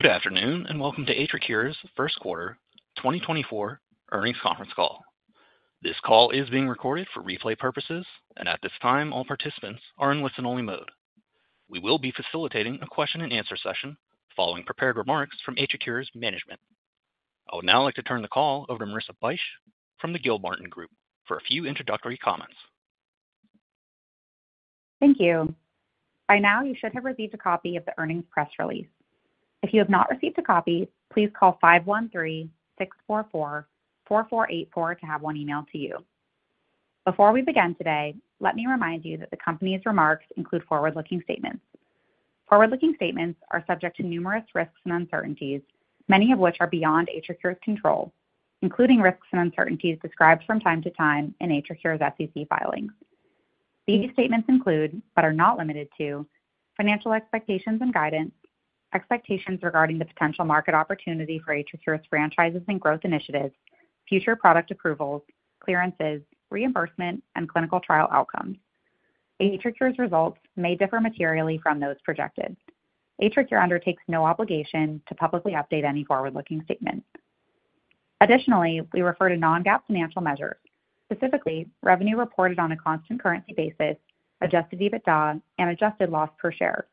Good afternoon, and welcome to AtriCure's first quarter 2024 earnings conference call. This call is being recorded for replay purposes, and at this time, all participants are in listen-only mode. We will be facilitating a question-and-answer session following prepared remarks from AtriCure's management. I would now like to turn the call over to Marissa Bych from the Gilmartin Group for a few introductory comments. Thank you. By now, you should have received a copy of the earnings press release. If you have not received a copy, please call 513-644-4484 to have one emailed to you. Before we begin today, let me remind you that the company's remarks include forward-looking statements. Forward-looking statements are subject to numerous risks and uncertainties, many of which are beyond AtriCure's control, including risks and uncertainties described from time to time in AtriCure's SEC filings. These statements include, but are not limited to, financial expectations and guidance, expectations regarding the potential market opportunity for AtriCure's franchises and growth initiatives, future product approvals, clearances, reimbursement, and clinical trial outcomes. AtriCure's results may differ materially from those projected. AtriCure undertakes no obligation to publicly update any forward-looking statements. Additionally, we refer to non-GAAP financial measures, specifically revenue reported on a constant currency basis, adjusted EBITDA, and adjusted loss per share.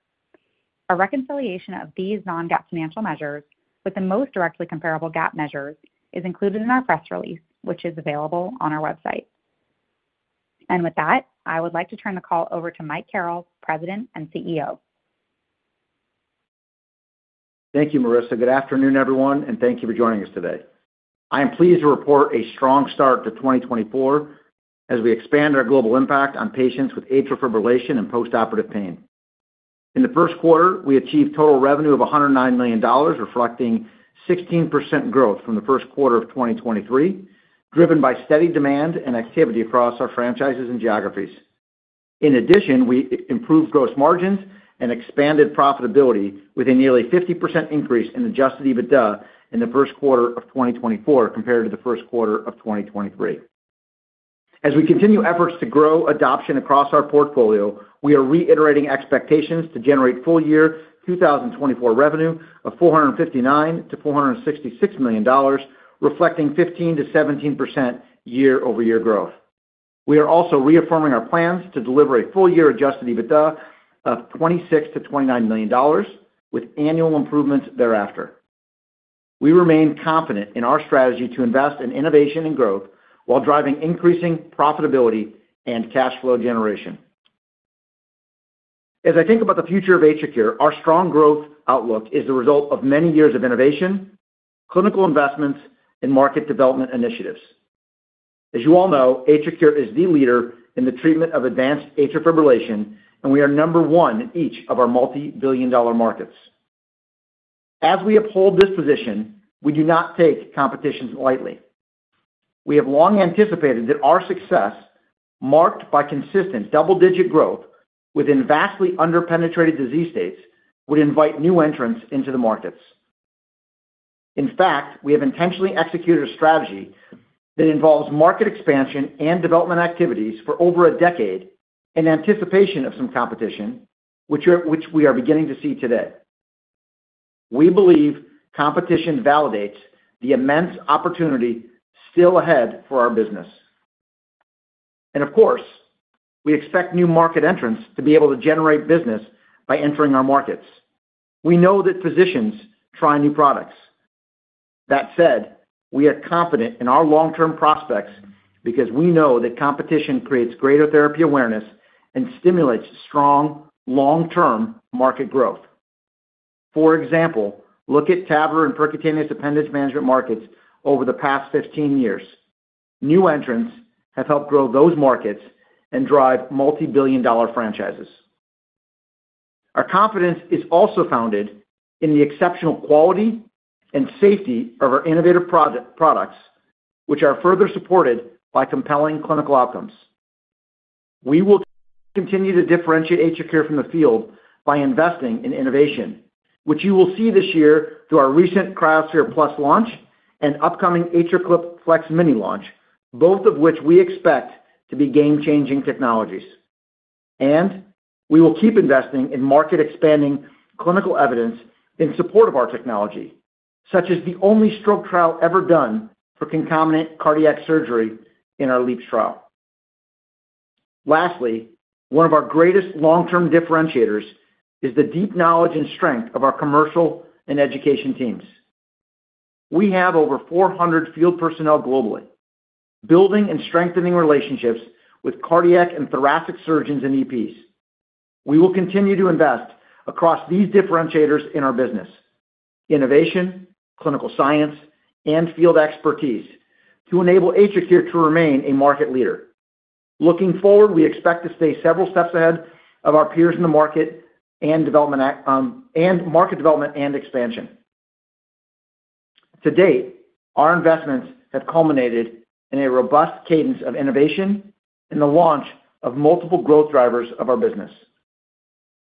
A reconciliation of these non-GAAP financial measures with the most directly comparable GAAP measures is included in our press release, which is available on our website. And with that, I would like to turn the call over to Mike Carrel, President and CEO. Thank you, Marissa. Good afternoon, everyone, and thank you for joining us today. I am pleased to report a strong start to 2024 as we expand our global impact on patients with atrial fibrillation and postoperative pain. In the first quarter, we achieved total revenue of $109 million, reflecting 16% growth from the first quarter of 2023, driven by steady demand and activity across our franchises and geographies. In addition, we improved gross margins and expanded profitability with a nearly 50% increase in adjusted EBITDA in the first quarter of 2024 compared to the first quarter of 2023. As we continue efforts to grow adoption across our portfolio, we are reiterating expectations to generate full year 2024 revenue of $459 million-$466 million, reflecting 15%-17% year-over-year growth. We are also reaffirming our plans to deliver a full year adjusted EBITDA of $26 million-$29 million, with annual improvements thereafter. We remain confident in our strategy to invest in innovation and growth while driving increasing profitability and cash flow generation. As I think about the future of AtriCure, our strong growth outlook is the result of many years of innovation, clinical investments, and market development initiatives. As you all know, AtriCure is the leader in the treatment of advanced atrial fibrillation, and we are number one in each of our multi-billion dollar markets. As we uphold this position, we do not take competitions lightly. We have long anticipated that our success, marked by consistent double-digit growth within vastly under-penetrated disease states, would invite new entrants into the markets. In fact, we have intentionally executed a strategy that involves market expansion and development activities for over a decade in anticipation of some competition, which we are beginning to see today. We believe competition validates the immense opportunity still ahead for our business. Of course, we expect new market entrants to be able to generate business by entering our markets. We know that physicians try new products. That said, we are confident in our long-term prospects because we know that competition creates greater therapy awareness and stimulates strong, long-term market growth. For example, look at TAVR and Percutaneous Appendage Management markets over the past 15 years. New entrants have helped grow those markets and drive multi-billion dollar franchises. Our confidence is also founded in the exceptional quality and safety of our innovative products, which are further supported by compelling clinical outcomes. We will continue to differentiate AtriCure from the field by investing in innovation, which you will see this year through our recent cryoSPHERE+ launch and upcoming AtriClip FLEX-Mini launch, both of which we expect to be game-changing technologies. We will keep investing in market-expanding clinical evidence in support of our technology, such as the only stroke trial ever done for concomitant cardiac surgery in our LeAAPS trial. Lastly, one of our greatest long-term differentiators is the deep knowledge and strength of our commercial and education teams. We have over 400 field personnel globally, building and strengthening relationships with cardiac and thoracic surgeons and EPs. We will continue to invest across these differentiators in our business: innovation, clinical science, and field expertise to enable AtriCure to remain a market leader. Looking forward, we expect to stay several steps ahead of our peers in the market and development activity and market development and expansion. To date, our investments have culminated in a robust cadence of innovation and the launch of multiple growth drivers of our business.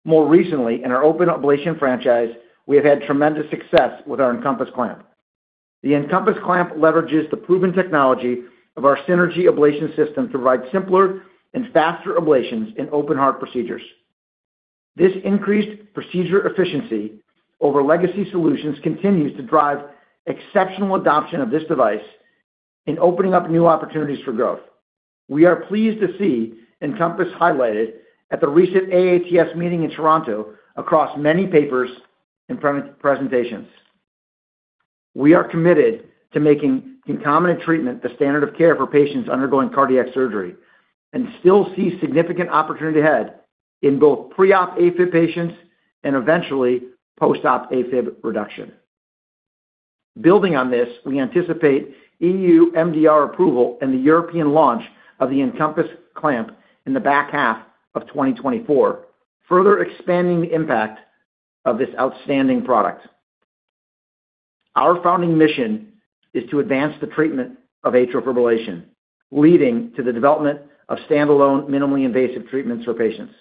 More recently, in our open ablation franchise, we have had tremendous success with our EnCompass clamp. The EnCompass clamp leverages the proven technology of our Synergy Ablation System to provide simpler and faster ablations in open heart procedures. This increased procedure efficiency over legacy solutions continues to drive exceptional adoption of this device in opening up new opportunities for growth. We are pleased to see EnCompass highlighted at the recent AATS meeting in Toronto across many papers and presentations. We are committed to making concomitant treatment the standard of care for patients undergoing cardiac surgery, and still see significant opportunity ahead in both pre-op AFib patients and eventually post-op AFib reduction. Building on this, we anticipate EU MDR approval and the European launch of the EnCompass clamp in the back half of 2024, further expanding the impact of this outstanding product. Our founding mission is to advance the treatment of atrial fibrillation, leading to the development of standalone, minimally invasive treatments for patients.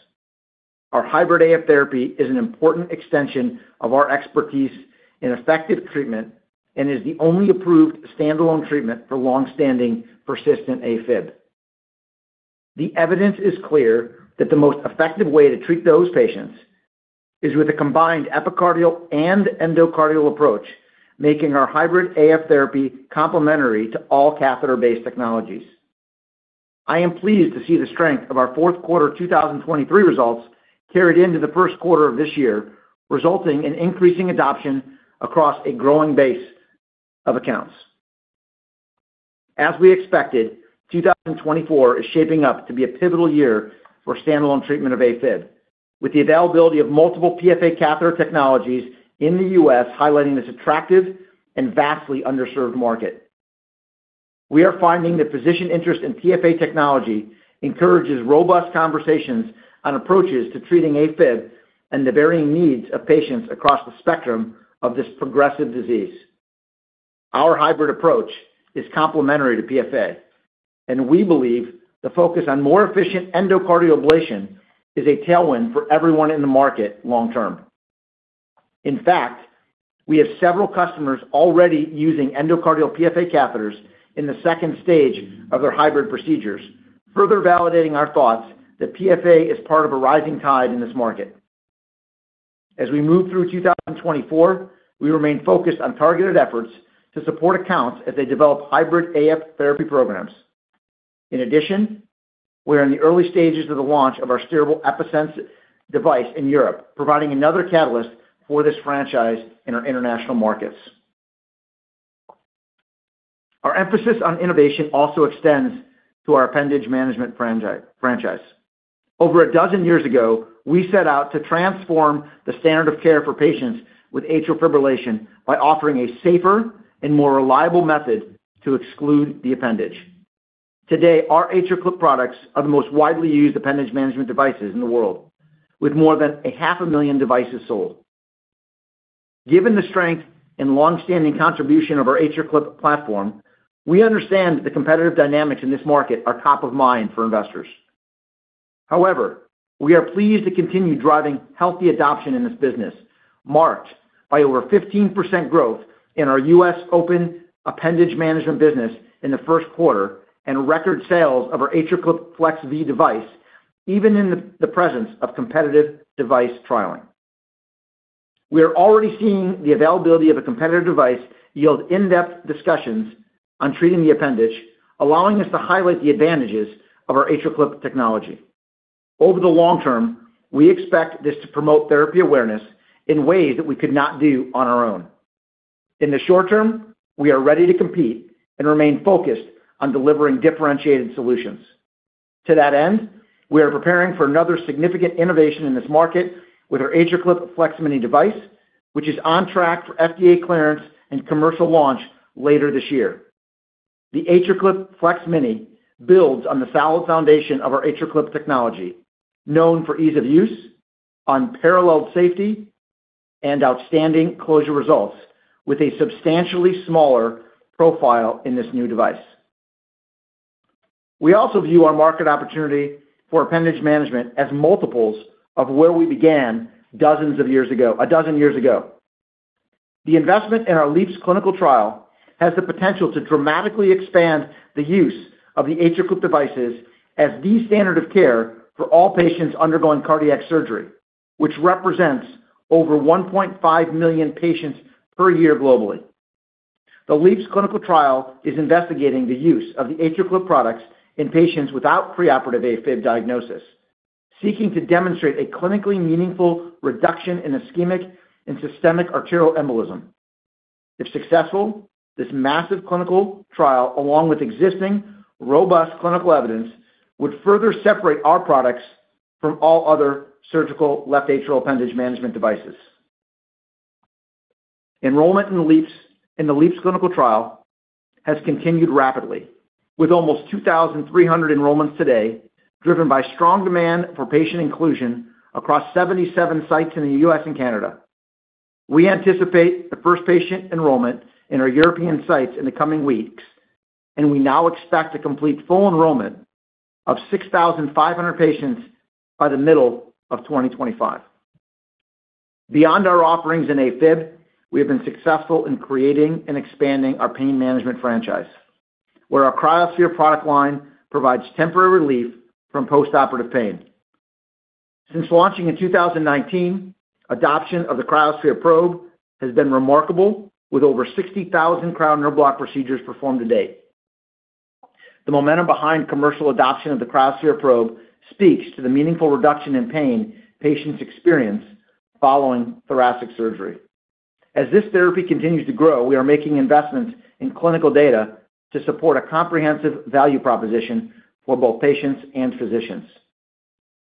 Our Hybrid AF therapy is an important extension of our expertise in effective treatment and is the only approved standalone treatment for long-standing persistent AFib. The evidence is clear that the most effective way to treat those patients is with a combined epicardial and endocardial approach, making our Hybrid AF therapy complementary to all catheter-based technologies. I am pleased to see the strength of our fourth quarter 2023 results carried into the first quarter of this year, resulting in increasing adoption across a growing base of accounts. As we expected, 2024 is shaping up to be a pivotal year for standalone treatment of AFib, with the availability of multiple PFA catheter technologies in the US highlighting this attractive and vastly underserved market. We are finding that physician interest in PFA technology encourages robust conversations on approaches to treating AFib and the varying needs of patients across the spectrum of this progressive disease. Our hybrid approach is complementary to PFA, and we believe the focus on more efficient endocardial ablation is a tailwind for everyone in the market long term. In fact, we have several customers already using endocardial PFA catheters in the second stage of their hybrid procedures, further validating our thoughts that PFA is part of a rising tide in this market. As we move through 2024, we remain focused on targeted efforts to support accounts as they develop Hybrid AF therapy programs. In addition, we are in the early stages of the launch of our steerable Epi-Sense device in Europe, providing another catalyst for this franchise in our international markets. Our emphasis on innovation also extends to our appendage management franchise. Over a dozen years ago, we set out to transform the standard of care for patients with atrial fibrillation by offering a safer and more reliable method to exclude the appendage. Today, our AtriClip products are the most widely used appendage management devices in the world, with more than 500,000 devices sold. Given the strength and long-standing contribution of our AtriClip platform, we understand that the competitive dynamics in this market are top of mind for investors. However, we are pleased to continue driving healthy adoption in this business, marked by over 15% growth in our U.S. open appendage management business in the first quarter, and record sales of our AtriClip FLEX-V device, even in the presence of competitive device trialing. We are already seeing the availability of a competitive device yield in-depth discussions on treating the appendage, allowing us to highlight the advantages of our AtriClip technology. Over the long term, we expect this to promote therapy awareness in ways that we could not do on our own. In the short term, we are ready to compete and remain focused on delivering differentiated solutions. To that end, we are preparing for another significant innovation in this market with our AtriClip FLEX-Mini device, which is on track for FDA clearance and commercial launch later this year. The AtriClip FLEX-Mini builds on the solid foundation of our AtriClip technology, known for ease of use, unparalleled safety, and outstanding closure results, with a substantially smaller profile in this new device. We also view our market opportunity for appendage management as multiples of where we began dozens of years ago, a dozen years ago. The investment in our LeAAPS clinical trial has the potential to dramatically expand the use of the AtriClip devices as the standard of care for all patients undergoing cardiac surgery, which represents over 1.5 million patients per year globally. TheLeAAPS clinical trial is investigating the use of the AtriClip products in patients without preoperative AFib diagnosis, seeking to demonstrate a clinically meaningful reduction in ischemic and systemic arterial embolism. If successful, this massive clinical trial, along with existing robust clinical evidence, would further separate our products from all other surgical left atrial appendage management devices. Enrollment in the LeAAPS clinical trial has continued rapidly, with almost 2,300 enrollments today, driven by strong demand for patient inclusion across 77 sites in the U.S. and Canada. We anticipate the first patient enrollment in our European sites in the coming weeks, and we now expect to complete full enrollment of 6,500 patients by the middle of 2025. Beyond our offerings in AFib, we have been successful in creating and expanding our pain management franchise, where our cryoSPHERE product line provides temporary relief from postoperative pain. Since launching in 2019, adoption of the cryoSPHERE probe has been remarkable, with over 60,000 cryoneuroblock procedures performed to date. The momentum behind commercial adoption of the cryoSPHERE probe speaks to the meaningful reduction in pain patients experience following thoracic surgery. As this therapy continues to grow, we are making investments in clinical data to support a comprehensive value proposition for both patients and physicians.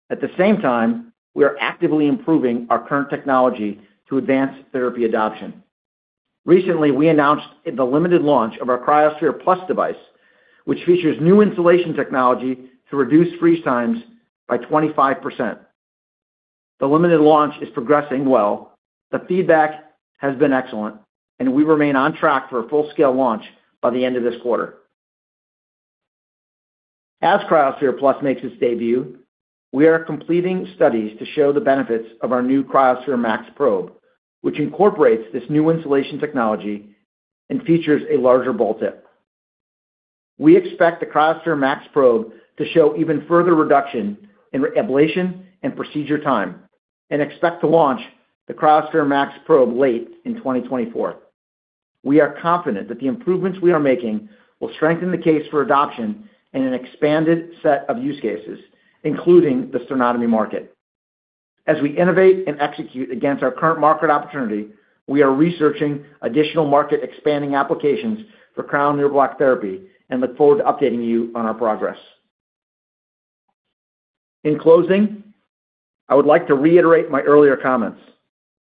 At the same time, we are actively improving our current technology to advance therapy adoption. Recently, we announced the limited launch of our cryoSPHERE+ device, which features new insulation technology to reduce freeze times by 25%. The limited launch is progressing well. The feedback has been excellent, and we remain on track for a full-scale launch by the end of this quarter. As cryoSPHERE+ makes its debut, we are completing studies to show the benefits of our new cryoSPHERE MAX probe, which incorporates this new insulation technology and features a larger ball tip. We expect the cryoSPHERE MAX probe to show even further reduction in re-ablation and procedure time and expect to launch the cryoSPHERE MAX probe late in 2024. We are confident that the improvements we are making will strengthen the case for adoption in an expanded set of use cases, including the sternotomy market. As we innovate and execute against our current market opportunity, we are researching additional market-expanding applications for cryoneuroblock therapy and look forward to updating you on our progress. In closing, I would like to reiterate my earlier comments.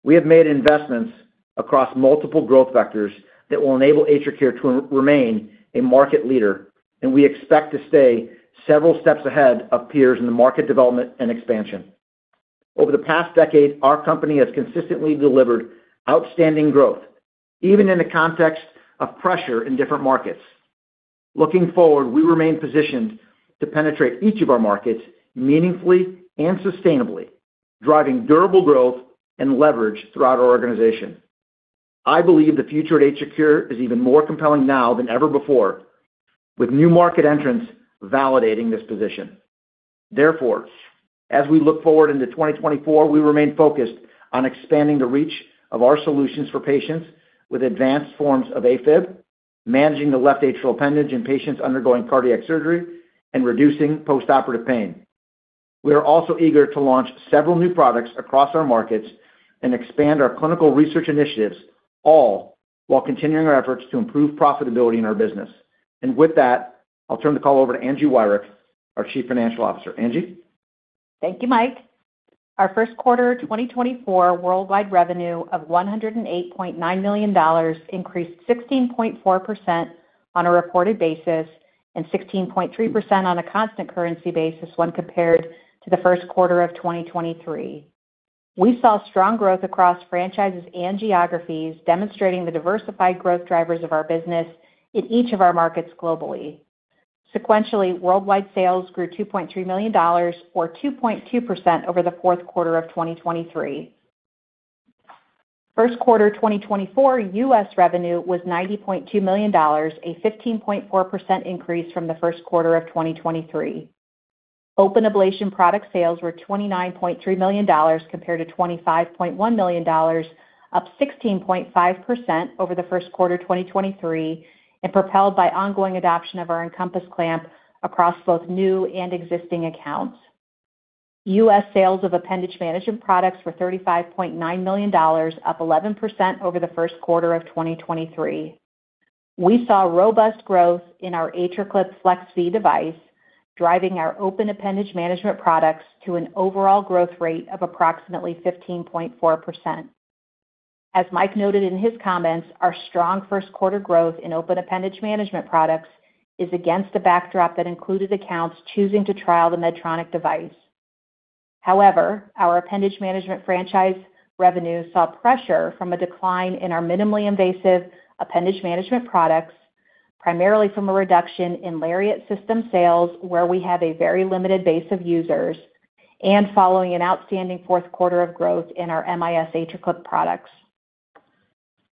We have made investments across multiple growth vectors that will enable AtriCure to remain a market leader, and we expect to stay several steps ahead of peers in the market development and expansion. Over the past decade, our company has consistently delivered outstanding growth, even in the context of pressure in different markets. Looking forward, we remain positioned to penetrate each of our markets meaningfully and sustainably, driving durable growth and leverage throughout our organization. I believe the future at AtriCure is even more compelling now than ever before, with new market entrants validating this position. Therefore, as we look forward into 2024, we remain focused on expanding the reach of our solutions for patients with advanced forms of AFib, managing the left atrial appendage in patients undergoing cardiac surgery, and reducing postoperative pain. We are also eager to launch several new products across our markets and expand our clinical research initiatives, all while continuing our efforts to improve profitability in our business. With that, I'll turn the call over to Angie Wirick, our Chief Financial Officer. Angie? Thank you, Mike. Our first quarter 2024 worldwide revenue of $108.9 million increased 16.4% on a reported basis and 16.3% on a constant currency basis when compared to the first quarter of 2023. We saw strong growth across franchises and geographies, demonstrating the diversified growth drivers of our business in each of our markets globally. Sequentially, worldwide sales grew $2.3 million, or 2.2% over the fourth quarter of 2023. First quarter 2024 US revenue was $90.2 million, a 15.4% increase from the first quarter of 2023. Open ablation product sales were $29.3 million compared to $25.1 million, up 16.5% over the first quarter 2023, and propelled by ongoing adoption of our EnCompass clamp across both new and existing accounts. US sales of appendage management products were $35.9 million, up 11% over the first quarter of 2023. We saw robust growth in our AtriClip FLEX V device, driving our open appendage management products to an overall growth rate of approximately 15.4%. As Mike noted in his comments, our strong first quarter growth in open appendage management products is against a backdrop that included accounts choosing to trial the Medtronic device. However, our appendage management franchise revenue saw pressure from a decline in our minimally invasive appendage management products, primarily from a reduction in LARIAT system sales, where we have a very limited base of users, and following an outstanding fourth quarter of growth in our MIS AtriClip products.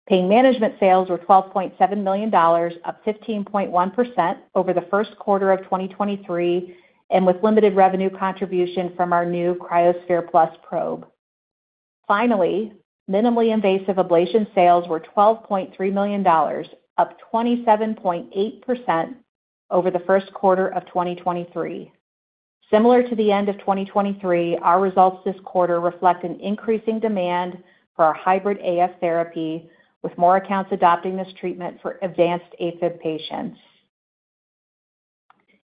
Pain management sales were $12.7 million, up 15.1% over the first quarter of 2023, and with limited revenue contribution from our new cryoSPHERE+ probe. Finally, minimally invasive ablation sales were $12.3 million, up 27.8% over the first quarter of 2023. Similar to the end of 2023, our results this quarter reflect an increasing demand for our Hybrid AF therapy, with more accounts adopting this treatment for advanced AFib patients.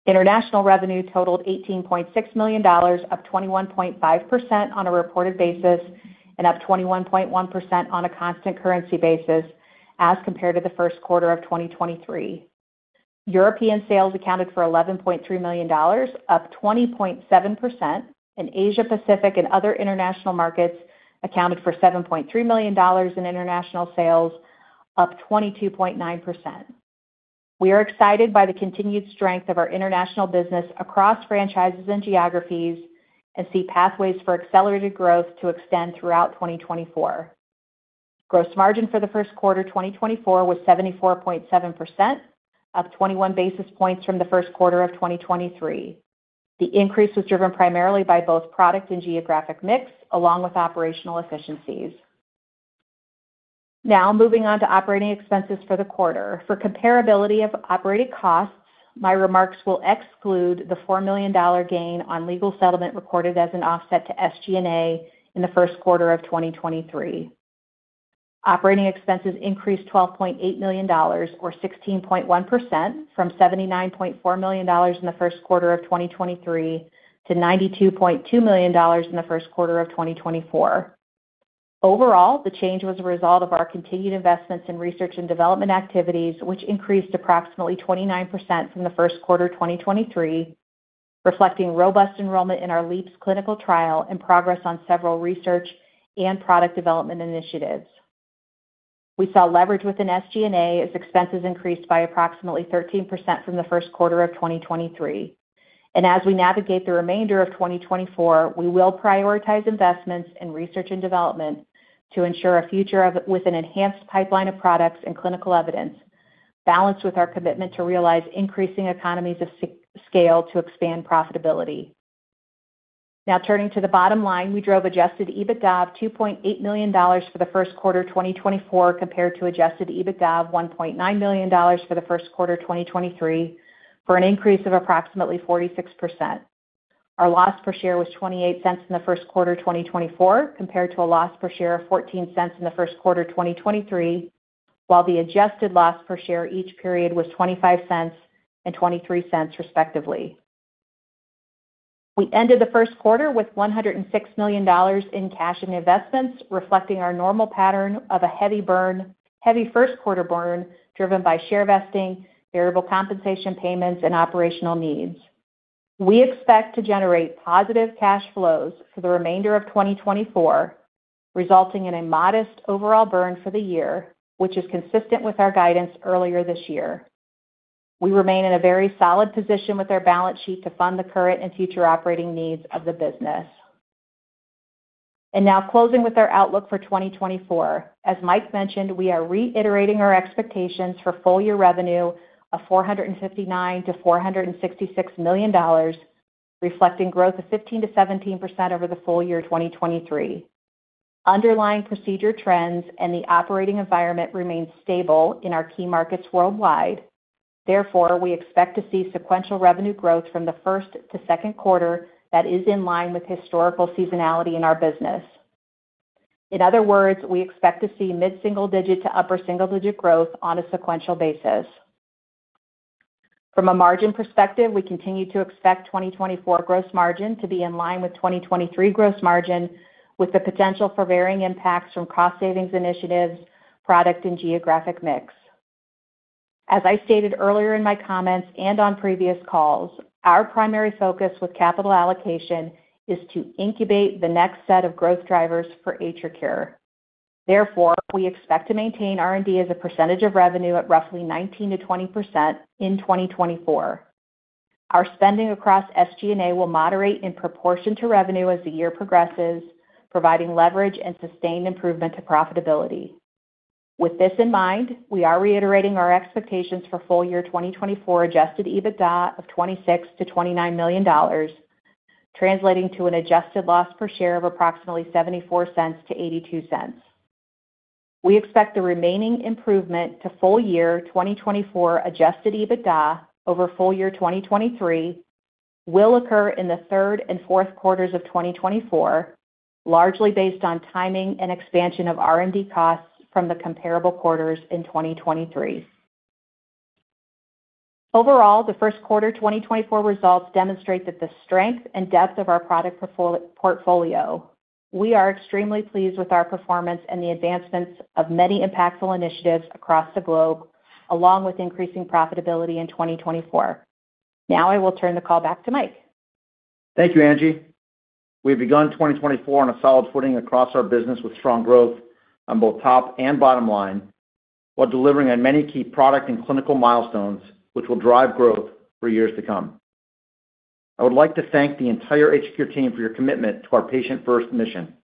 International revenue totaled $18.6 million, up 21.5% on a reported basis and up 21.1% on a constant currency basis as compared to the first quarter of 2023. European sales accounted for $11.3 million, up 20.7%, and Asia-Pacific and other international markets accounted for $7.3 million in international sales, up 22.9%. We are excited by the continued strength of our international business across franchises and geographies, and see pathways for accelerated growth to extend throughout 2024. Gross margin for the first quarter 2024 was 74.7%, up 21 basis points from the first quarter of 2023. The increase was driven primarily by both product and geographic mix, along with operational efficiencies. Now moving on to operating expenses for the quarter. For comparability of operating costs, my remarks will exclude the $4 million gain on legal settlement recorded as an offset to SG&A in the first quarter of 2023. Operating expenses increased $12.8 million, or 16.1%, from $79.4 million in the first quarter of 2023 to $92.2 million in the first quarter of 2024. Overall, the change was a result of our continued investments in research and development activities, which increased approximately 29% from the first quarter 2023, reflecting robust enrollment in our LeAAPS clinical trial and progress on several research and product development initiatives. We saw leverage within SG&A as expenses increased by approximately 13% from the first quarter of 2023. As we navigate the remainder of 2024, we will prioritize investments in research and development to ensure a future of, with an enhanced pipeline of products and clinical evidence, balanced with our commitment to realize increasing economies of scale to expand profitability. Now turning to the bottom line. We drove adjusted EBITDA of $2.8 million for the first quarter 2024, compared to adjusted EBITDA of $1.9 million for the first quarter 2023, for an increase of approximately 46%. Our loss per share was $0.28 in the first quarter 2024, compared to a loss per share of $0.14 in the first quarter 2023, while the adjusted loss per share each period was $0.25 and $0.23, respectively. We ended the first quarter with $106 million in cash and investments, reflecting our normal pattern of a heavy burn, heavy first quarter burn, driven by share vesting, variable compensation payments, and operational needs. We expect to generate positive cash flows for the remainder of 2024, resulting in a modest overall burn for the year, which is consistent with our guidance earlier this year. We remain in a very solid position with our balance sheet to fund the current and future operating needs of the business. Now closing with our outlook for 2024. As Mike mentioned, we are reiterating our expectations for full-year revenue of $459 million-$466 million, reflecting growth of 15%-17% over the full year 2023. Underlying procedure trends and the operating environment remain stable in our key markets worldwide. Therefore, we expect to see sequential revenue growth from the first to second quarter that is in line with historical seasonality in our business. In other words, we expect to see mid-single-digit to upper-single-digit growth on a sequential basis. From a margin perspective, we continue to expect 2024 gross margin to be in line with 2023 gross margin, with the potential for varying impacts from cost savings initiatives, product and geographic mix. As I stated earlier in my comments and on previous calls, our primary focus with capital allocation is to incubate the next set of growth drivers for AtriCure. Therefore, we expect to maintain R&D as a percentage of revenue at roughly 19%-20% in 2024. Our spending across SG&A will moderate in proportion to revenue as the year progresses, providing leverage and sustained improvement to profitability. With this in mind, we are reiterating our expectations for full year 2024 adjusted EBITDA of $26 million-$29 million, translating to an adjusted loss per share of approximately $0.74-$0.82. We expect the remaining improvement to full year 2024 adjusted EBITDA over full year 2023 will occur in the third and fourth quarters of 2024, largely based on timing and expansion of R&D costs from the comparable quarters in 2023. Overall, the first quarter 2024 results demonstrate that the strength and depth of our product portfolio. We are extremely pleased with our performance and the advancements of many impactful initiatives across the globe, along with increasing profitability in 2024. Now I will turn the call back to Mike. Thank you, Angie. We've begun 2024 on a solid footing across our business, with strong growth on both top and bottom line, while delivering on many key product and clinical milestones, which will drive growth for years to come. I would like to thank the entire AtriCure team for your commitment to our patient-first mission.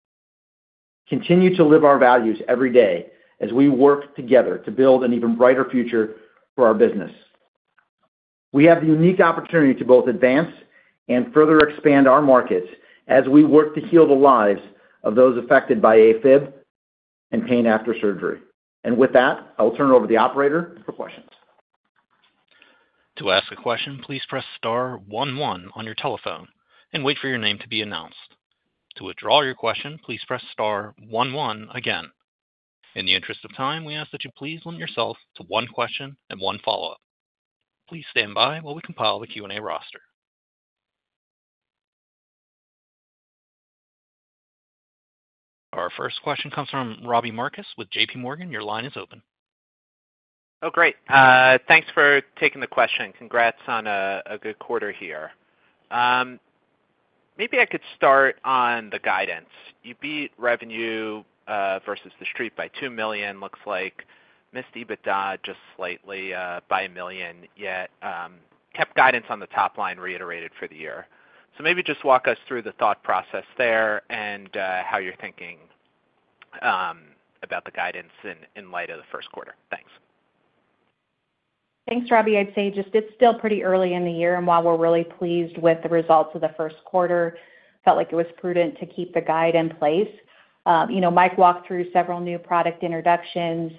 Continue to live our values every day as we work together to build an even brighter future for our business. We have the unique opportunity to both advance and further expand our markets as we work to heal the lives of those affected by AFib and pain after surgery. With that, I'll turn it over to the operator for questions. To ask a question, please press star one one on your telephone and wait for your name to be announced. To withdraw your question, please press star one one again. In the interest of time, we ask that you please limit yourself to one question and one follow-up. Please stand by while we compile the Q&A roster. Our first question comes from Robbie Marcus with JP Morgan. Your line is open. Oh, great. Thanks for taking the question. Congrats on a good quarter here. Maybe I could start on the guidance. You beat revenue versus the street by $2 million, looks like missed EBITDA just slightly by $1 million, yet kept guidance on the top line reiterated for the year. So maybe just walk us through the thought process there and how you're thinking about the guidance in light of the first quarter. Thanks. Thanks, Robbie. I'd say just it's still pretty early in the year, and while we're really pleased with the results of the first quarter, felt like it was prudent to keep the guide in place. You know, Mike walked through several new product introductions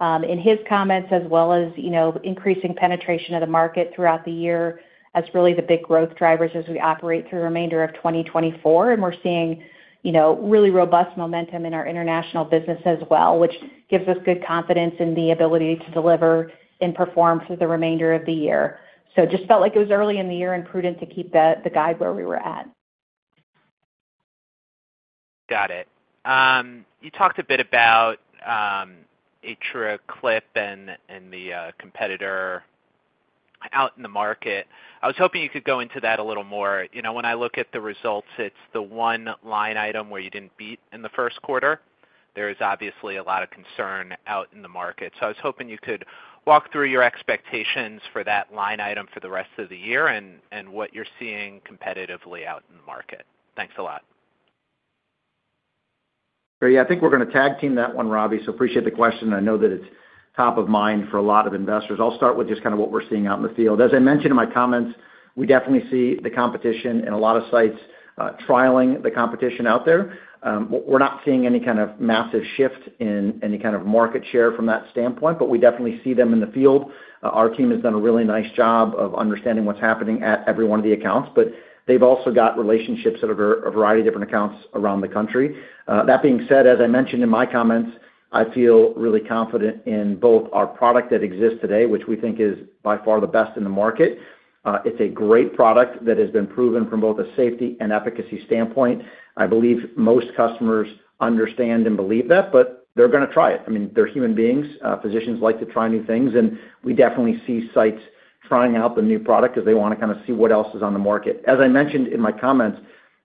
in his comments, as well as, you know, increasing penetration of the market throughout the year, as really the big growth drivers as we operate through the remainder of 2024. And we're seeing, you know, really robust momentum in our international business as well, which gives us good confidence in the ability to deliver and perform through the remainder of the year. So just felt like it was early in the year and prudent to keep the guide where we were at. Got it. You talked a bit about AtriClip and the competitor out in the market. I was hoping you could go into that a little more. You know, when I look at the results, it's the one line item where you didn't beat in the first quarter. There is obviously a lot of concern out in the market. So I was hoping you could walk through your expectations for that line item for the rest of the year and what you're seeing competitively out in the market. Thanks a lot. Yeah, I think we're going to tag team that one, Robbie, so appreciate the question. I know that it's top of mind for a lot of investors. I'll start with just kind of what we're seeing out in the field. As I mentioned in my comments, we definitely see the competition in a lot of sites, trialing the competition out there. We're not seeing any kind of massive shift in any kind of market share from that standpoint, but we definitely see them in the field. Our team has done a really nice job of understanding what's happening at every one of the accounts, but they've also got relationships at a variety of different accounts around the country. That being said, as I mentioned in my comments, I feel really confident in both our product that exists today, which we think is by far the best in the market. It's a great product that has been proven from both a safety and efficacy standpoint. I believe most customers understand and believe that, but they're going to try it. I mean, they're human beings. Physicians like to try new things, and we definitely see sites trying out the new product because they want to kind of see what else is on the market. As I mentioned in my comments,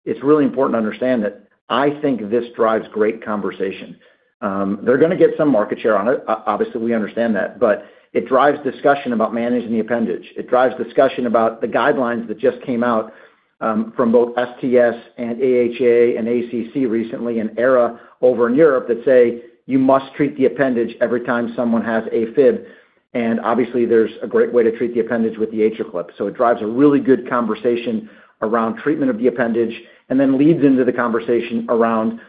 it's really important to understand that I think this drives great conversation. They're going to get some market share on it. Obviously, we understand that, but it drives discussion about managing the appendage. It drives discussion about the guidelines that just came out from both STS and AHA and ACC recently, and EHRA over in Europe, that say you must treat the appendage every time someone has AFib, and obviously there's a great way to treat the appendage with the AtriClip. So it drives a really good conversation around treatment of the appendage and then leads into the conversation around,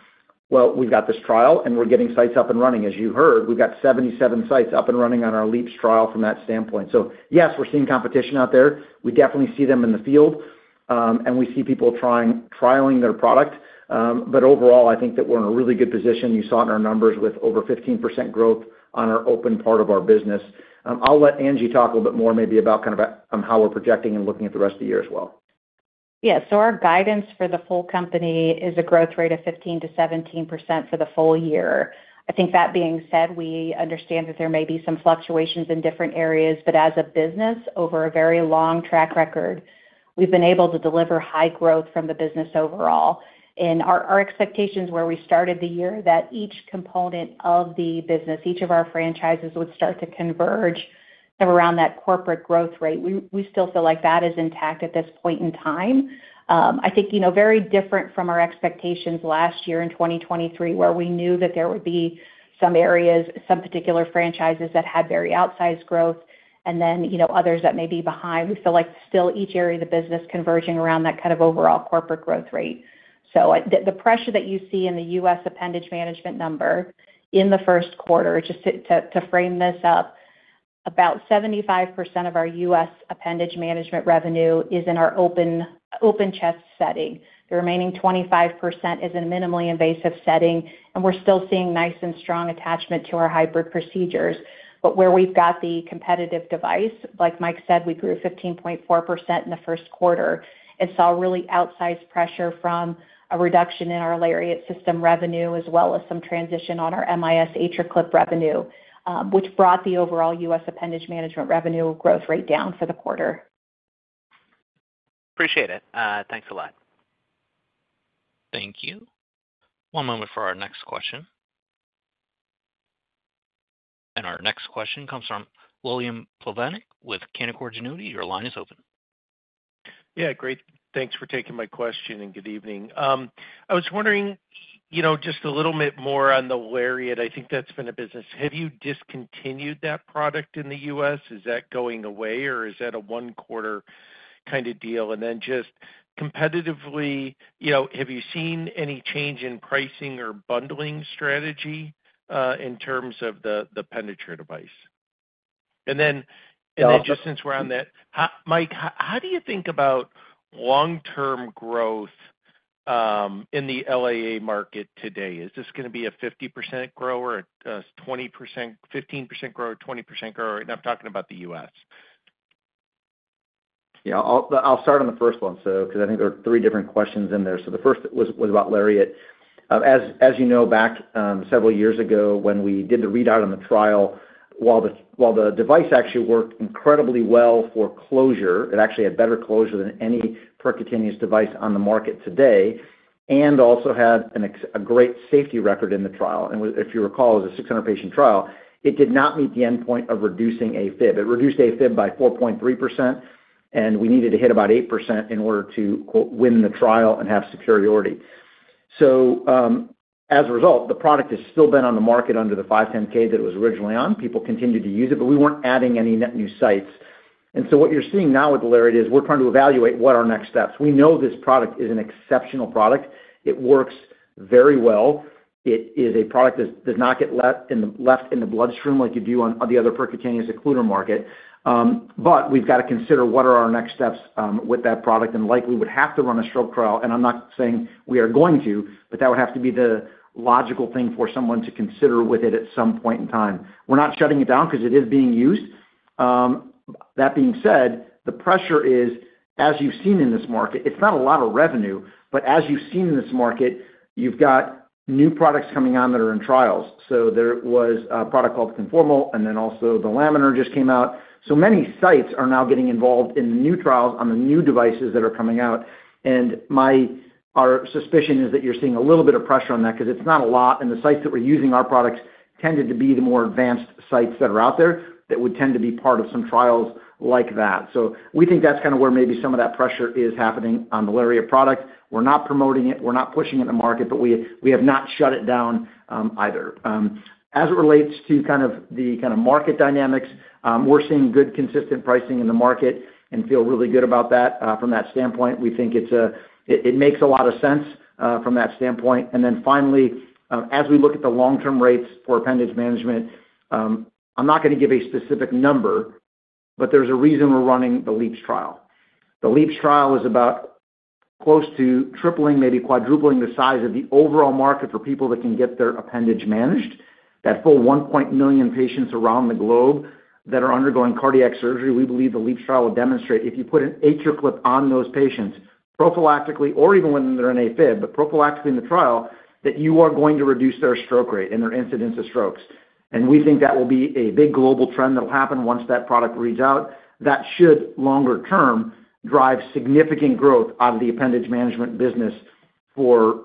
"Well, we've got this trial, and we're getting sites up and running." As you heard, we've got 77 sites up and running on our LeAAPS trial from that standpoint. So yes, we're seeing competition out there. We definitely see them in the field, and we see people trialing their product. But overall, I think that we're in a really good position. You saw it in our numbers with over 15% growth on our open part of our business. I'll let Angie talk a little bit more, maybe about kind of how we're projecting and looking at the rest of the year as well. Yeah, so our guidance for the full company is a growth rate of 15%-17% for the full year. I think that being said, we understand that there may be some fluctuations in different areas, but as a business, over a very long track record, we've been able to deliver high growth from the business overall. And our expectations were we started the year that each component of the business, each of our franchises, would start to CONVERGE around that corporate growth rate. We still feel like that is intact at this point in time. I think, you know, very different from our expectations last year in 2023, where we knew that there would be some areas, some particular franchises that had very outsized growth and then, you know, others that may be behind. We feel like still each area of the business converging around that kind of overall corporate growth rate. So the pressure that you see in the U.S. appendage management number in the first quarter, just to frame this up, about 75% of our U.S. appendage management revenue is in our open chest setting. The remaining 25% is in a minimally invasive setting, and we're still seeing nice and strong attachment to our hybrid procedures. But where we've got the competitive device, like Mike said, we grew 15.4% in the first quarter and saw really outsized pressure from a reduction in our LARIAT system revenue, as well as some transition on our MIS AtriClip revenue, which brought the overall U.S. appendage management revenue growth rate down for the quarter. Appreciate it. Thanks a lot. Thank you. One moment for our next question. Our next question comes from William Plovanic with Canaccord Genuity. Your line is open. Yeah, great. Thanks for taking my question, and good evening. I was wondering, you know, just a little bit more on the LARIAT. I think that's been a business. Have you discontinued that product in the US? Is that going away, or is that a one quarter kind of deal? And then just competitively, you know, have you seen any change in pricing or bundling strategy, in terms of the, the appendage device? And then, and then just since we're on that, Mike, how do you think about long-term growth, in the LAA market today? Is this going to be a 50% grower, twenty percent, fifteen percent grower, 20% grower? And I'm talking about the US. Yeah, I'll start on the first one, so because I think there are three different questions in there. So the first was about LARIAT, as you know, back several years ago, when we did the readout on the trial, while the device actually worked incredibly well for closure, it actually had better closure than any percutaneous device on the market today, and also had an excellent safety record in the trial. And if you recall, it was a 600 patient trial. It did not meet the endpoint of reducing AFib. It reduced AFib by 4.3%, and we needed to hit about 8% in order to, quote, win the trial and have superiority. So, as a result, the product has still been on the market under the 510(k) that it was originally on. People continued to use it, but we weren't adding any net new sites. So what you're seeing now with LARIAT is we're trying to evaluate what are our next steps. We know this product is an exceptional product. It works very well. It is a product that does not get left in the bloodstream like you do on the other percutaneous occluder market. But we've got to consider what are our next steps with that product, and likely would have to run a stroke trial, and I'm not saying we are going to, but that would have to be the logical thing for someone to consider with it at some point in time. We're not shutting it down because it is being used. That being said, the pressure is, as you've seen in this market, it's not a lot of revenue, but as you've seen in this market, you've got new products coming on that are in trials. So there was a product called Conformal, and then also the Laminar just came out. So many sites are now getting involved in the new trials on the new devices that are coming out. And my-our suspicion is that you're seeing a little bit of pressure on that because it's not a lot, and the sites that were using our products tended to be the more advanced sites that are out there, that would tend to be part of some trials like that. So we think that's kind of where maybe some of that pressure is happening on the LARIAT product. We're not promoting it, we're not pushing it in the market, but we have not shut it down either. As it relates to kind of the market dynamics, we're seeing good consistent pricing in the market and feel really good about that from that standpoint. We think it makes a lot of sense from that standpoint. And then finally, as we look at the long-term rates for appendage management, I'm not going to give a specific number, but there's a reason we're running the LeAAPS trial. The LeAAPS trial is about close to tripling, maybe quadrupling, the size of the overall market for people that can get their appendage managed. That full 1 million patients around the globe that are undergoing cardiac surgery, we believe the LeAAPS trial will demonstrate if you put an AtriClip on those patients, prophylactically or even when they're in AFib, but prophylactically in the trial, that you are going to reduce their stroke rate and their incidence of strokes. And we think that will be a big global trend that will happen once that product reads out. That should, longer term, drive significant growth out of the appendage management business for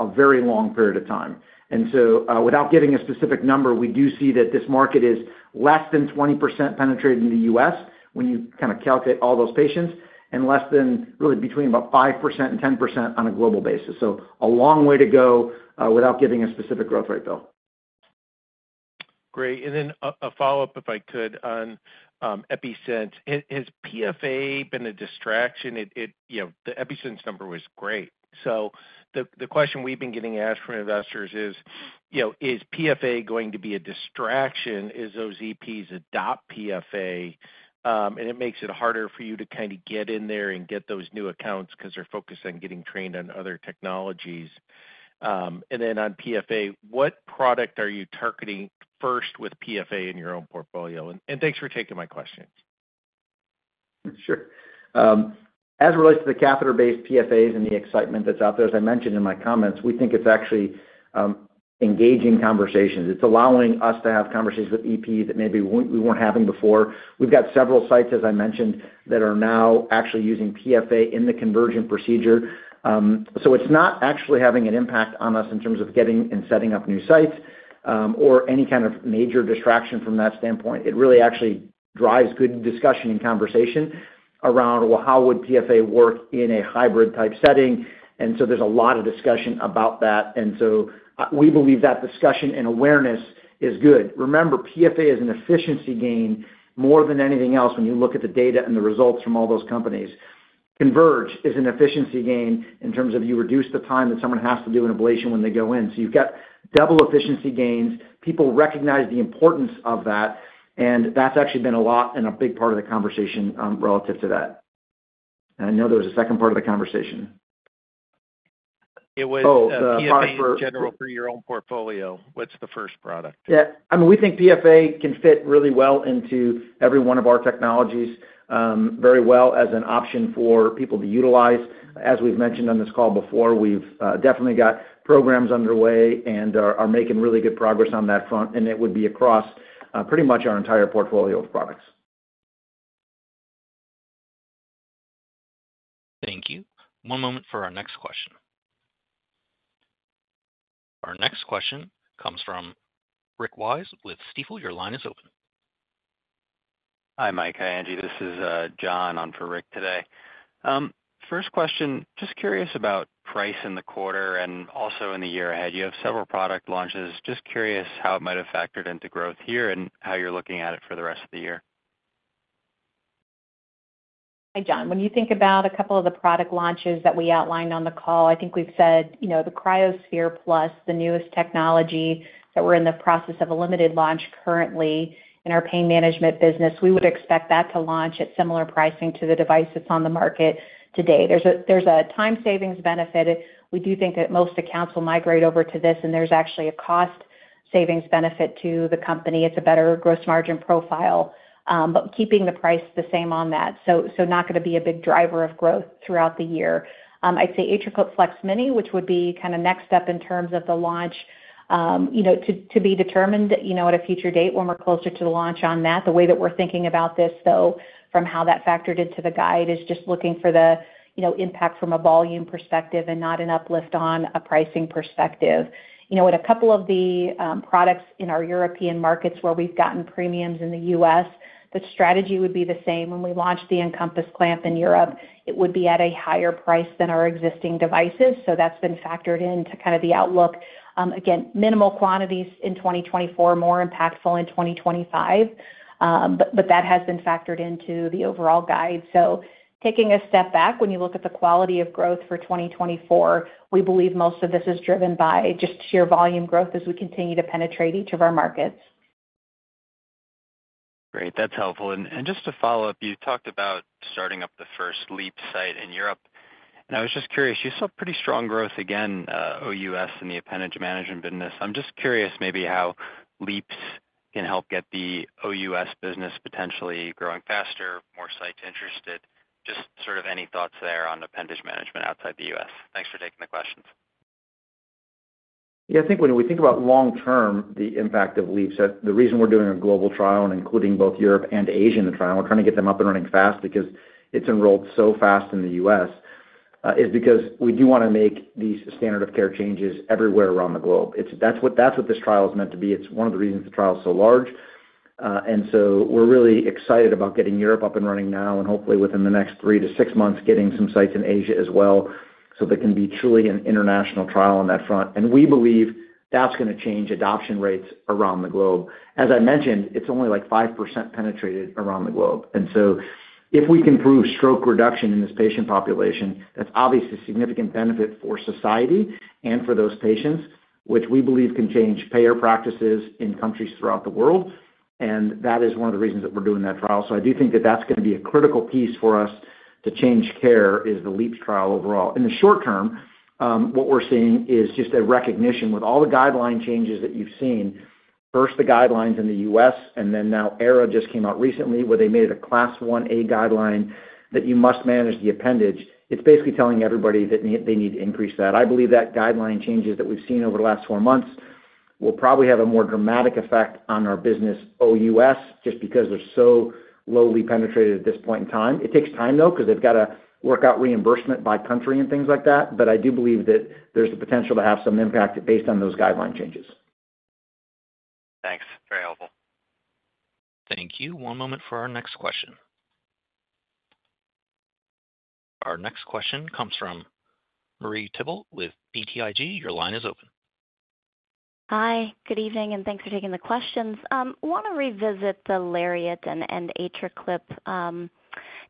a very long period of time. And so, without giving a specific number, we do see that this market is less than 20% penetrated in the US when you kind of calculate all those patients, and less than really between about 5% and 10% on a global basis. A long way to go, without giving a specific growth rate, Bill. Great. And then a follow-up, if I could, on Epi-Sense. Has PFA been a distraction? It you know, the Epi-Sense number was great. So the question we've been getting asked from investors is, you know, is PFA going to be a distraction as those EPs adopt PFA, and it makes it harder for you to kind of get in there and get those new accounts because they're focused on getting trained on other technologies? And then on PFA, what product are you targeting first with PFA in your own portfolio? And thanks for taking my questions. Sure. As it relates to the catheter-based PFAs and the excitement that's out there, as I mentioned in my comments, we think it's actually engaging conversations. It's allowing us to have conversations with EPs that maybe we, we weren't having before. We've got several sites, as I mentioned, that are now actually using PFA in the conversion procedure. So it's not actually having an impact on us in terms of getting and setting up new sites, or any kind of major distraction from that standpoint. It really actually drives good discussion and conversation around, well, how would PFA work in a hybrid-type setting? And so there's a lot of discussion about that. And so, we believe that discussion and awareness is good. Remember, PFA is an efficiency gain more than anything else when you look at the data and the results from all those companies. CONVERGE is an efficiency gain in terms of you reduce the time that someone has to do an ablation when they go in. So you've got double efficiency gains. People recognize the importance of that, and that's actually been a lot and a big part of the conversation, relative to that. I know there was a second part of the conversation. It was Oh, the product for PFA in general for your own portfolio. What's the first product? Yeah. I mean, we think PFA can fit really well into every one of our technologies, very well as an option for people to utilize. As we've mentioned on this call before, we've definitely got programs underway and are making really good progress on that front, and it would be across pretty much our entire portfolio of products. Thank you. One moment for our next question. Our next question comes from Rick Wise with Stifel. Your line is open. Hi, Mike. Hi, Angie. This is John on for Rick today. First question, just curious about price in the quarter and also in the year ahead. You have several product launches. Just curious how it might have factored into growth here and how you're looking at it for the rest of the year? Hi, John. When you think about a couple of the product launches that we outlined on the call, I think we've said, you know, the cryoSPHERE+, the newest technology that we're in the process of a limited launch currently in our pain management business, we would expect that to launch at similar pricing to the device that's on the market today. There's a time savings benefit. We do think that most accounts will migrate over to this, and there's actually a cost savings benefit to the company. It's a better gross margin profile, but keeping the price the same on that, so not going to be a big driver of growth throughout the year. I'd say AtriClip FLEX Mini, which would be kind of next step in terms of the launch, you know, to, to be determined, you know, at a future date when we're closer to the launch on that. The way that we're thinking about this, though, from how that factored into the guide, is just looking for the, you know, impact from a volume perspective and not an uplift on a pricing perspective. You know, with a couple of the, products in our European markets where we've gotten premiums in the U.S., the strategy would be the same. When we launched the EnCompass clamp in Europe, it would be at a higher price than our existing devices, so that's been factored into kind of the outlook. Again, minimal quantities in 2024, more impactful in 2025, but, but that has been factored into the overall guide. Taking a step back, when you look at the quality of growth for 2024, we believe most of this is driven by just sheer volume growth as we continue to penetrate each of our markets. Great, that's helpful. And just to follow up, you talked about starting up the first LeAAPS site in Europe, and I was just curious. You saw pretty strong growth again, OUS in the appendage management business. I'm just curious maybe how LeAAPS can help get the OUS business potentially growing faster, more sites interested, just sort of any thoughts there on appendage management outside the US. Thanks for taking the questions. Yeah, I think when we think about long-term, the impact of LeAAPS, the reason we're doing a global trial and including both Europe and Asia in the trial, we're trying to get them up and running fast because it's enrolled so fast in the U.S., is because we do want to make these standard of care changes everywhere around the globe. It's, that's what, that's what this trial is meant to be. It's one of the reasons the trial is so large. And so we're really excited about getting Europe up and running now, and hopefully within the next three-six months, getting some sites in Asia as well, so there can be truly an international trial on that front. And we believe that's going to change adoption rates around the globe. As I mentioned, it's only, like, 5% penetrated around the globe. So if we can prove stroke reduction in this patient population, that's obviously a significant benefit for society and for those patients, which we believe can change payer practices in countries throughout the world, and that is one of the reasons that we're doing that trial. So I do think that that's going to be a critical piece for us to change care, is the LeAAPS trial overall. In the short term, what we're seeing is just a recognition with all the guideline changes that you've seen, first, the guidelines in the U.S., and then now EHRA just came out recently, where they made it a Class I, Level A guideline that you must manage the appendage. It's basically telling everybody that they need to increase that. I believe that guideline changes that we've seen over the last four months will probably have a more dramatic effect on our business, OUS, just because they're so lowly penetrated at this point in time. It takes time, though, because they've got to work out reimbursement by country and things like that. But I do believe that there's the potential to have some impact based on those guideline changes. Thanks. Very helpful. Thank you. One moment for our next question. Our next question comes from Marie Thibault with BTIG. Your line is open. Hi, good evening, and thanks for taking the questions. Want to revisit the LARIAT and AtriClip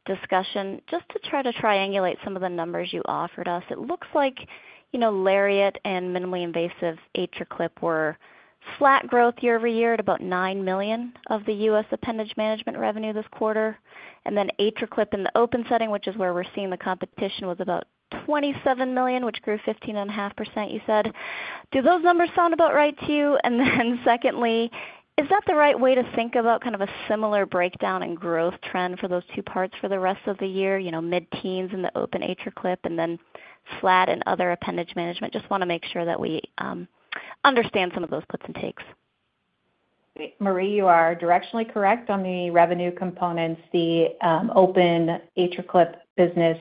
discussion, just to try to triangulate some of the numbers you offered us. It looks like, you know, LARIAT and minimally invasive AtriClip were flat growth year-over-year at about $9 million of the U.S. appendage management revenue this quarter. And then AtriClip in the open setting, which is where we're seeing the competition, was about $27 million, which grew 15.5%, you said. Do those numbers sound about right to you? And then secondly, is that the right way to think about kind of a similar breakdown and growth trend for those two parts for the rest of the year? You know, mid-teens in the open AtriClip and then flat in other appendage management. Just want to make sure that we understand some of those puts and takes. Marie, you are directionally correct on the revenue components. The open AtriClip business,